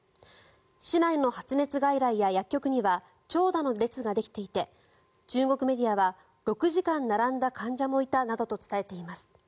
市内の発熱外来や薬局には長蛇の列ができていて中国メディアは６時間並んだ患者もいたなどと伝えています。